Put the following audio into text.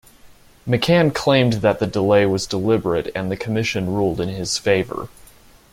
McCann claimed that the delay was deliberate and the commission ruled in his favour.